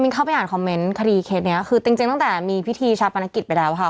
เข้าไปอ่านคอมเมนต์คดีเคสเนี้ยคือจริงจริงตั้งแต่มีพิธีชาปนกิจไปแล้วค่ะ